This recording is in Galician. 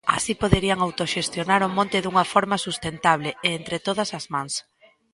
Así poderían autoxestionar o monte dunha forma sustentable e entre todas as mans.